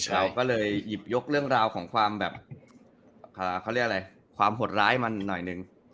เราก็เลยหยิบยกเรื่องราวของความแบบเขาเรียกอะไรความหดร้ายมันหน่อยหนึ่ง